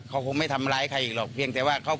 เขาคงไม่ทำร้ายใครอีกหรอกเพียงแต่ว่าเขา